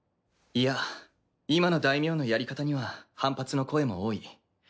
いや今の大名のやり方には反発の声も多い。